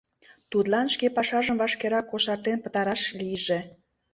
Тудлан шке пашажым вашкерак кошартен пытараш лийже.